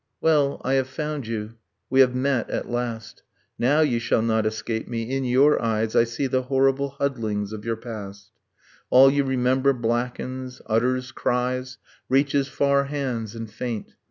Well, I have found you. We have met at last. Now you shall not escape me: in your eyes I see the horrible huddlings of your past, All you remember blackens, utters cries, Reaches far hands and faint.